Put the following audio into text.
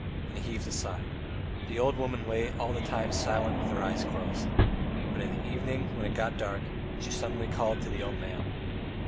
And he heaved a sigh. The old woman lay all the time silent with her eyes closed. But in the evening, when it got dark, she suddenly called the old man.